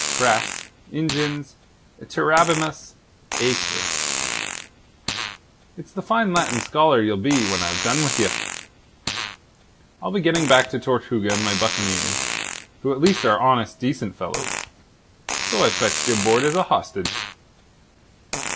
Cras ingens iterabimus aequor. It's the fine Latin scholar ye'll be when I've done with ye. I'll be getting back to Tortuga and my buccaneers, who at least are honest, decent fellows. So I've fetched ye aboard as a hostage."